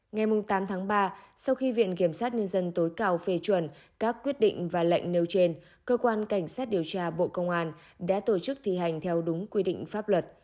ngày tám tháng ba sau khi viện kiểm sát nhân dân tối cao phê chuẩn các quyết định và lệnh nêu trên cơ quan cảnh sát điều tra bộ công an đã tổ chức thi hành theo đúng quy định pháp luật